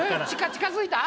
近づいた？